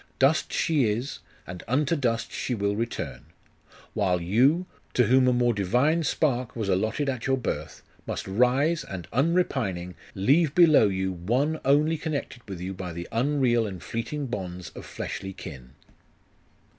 Dust she is, and unto dust she will return: while you, to whom a more divine spark was allotted at your birth, must rise, and unrepining, leave below you one only connected with you by the unreal and fleeting bonds of fleshly kin.